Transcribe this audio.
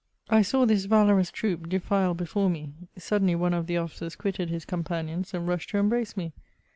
I saw this valorous troop defile before me : suddenly one of the officers quitted his companions, and rushed to embrace me.